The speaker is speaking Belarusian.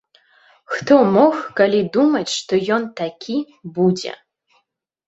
Хто мог калі думаць, што ён такі будзе?